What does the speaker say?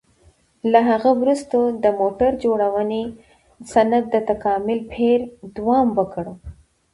له هغه وروسته د موټر جوړونې صنعت د تکامل بهیر دوام وکړ.